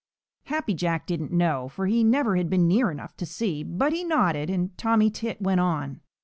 Happy Jack didn't know, for he never had been near enough to see, but he nodded, and Tommy Tit went on.